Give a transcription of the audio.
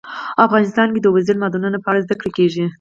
افغانستان کې د اوبزین معدنونه په اړه زده کړه کېږي.